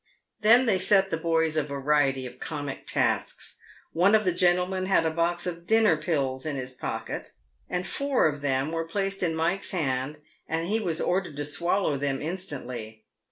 Then they set the boys a variety of comic tasks. One of the gen tlemen had a box of dinner pills in his pocket, and four of them were placed in Mike's hand, and he was ordered to swallow them instantly.